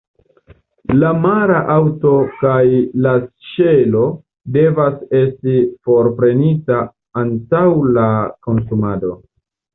La amara haŭto kaj la ŝelo devas esti forprenita antaŭ la konsumado.